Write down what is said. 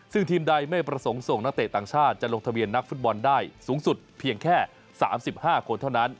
ซึ่งทีมใดไม่ประสงค์ส่งนักเตะต่างชาติจะลงทะเบียนนักฟุตบอลได้สูงสุดเพียงแค่๓๕คนเท่านั้น